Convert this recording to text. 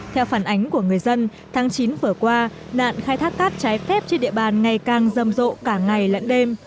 theo phản ánh của người dân tháng chín vừa qua nạn khai thác cát trái phép trên địa bàn ngày càng rầm rộ cả ngày lẫn đêm